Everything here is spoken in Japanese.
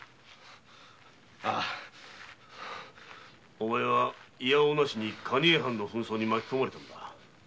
お前はいやおうなしに蟹江藩の紛争に巻き込まれたのだ。